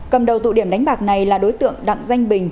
cầm đầu tụ điểm đánh bạc này là đối tượng đặng danh bình